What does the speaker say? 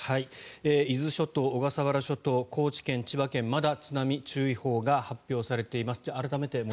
伊豆諸島、小笠原諸島高知県、千葉県にまだ津波注意報が発表されています。